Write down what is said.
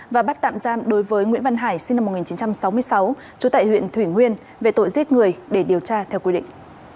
và bắt tạm giam đối với nguyễn văn hải sinh năm một nghìn chín trăm sáu mươi sáu trú tại huyện thủy nguyên về tội giết người để điều tra theo quy định